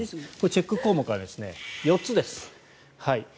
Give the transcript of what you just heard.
チェック項目は４つです。